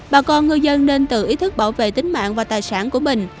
bà con ngư dân nên tự ý thức bảo vệ tính mạng và tài sản của mình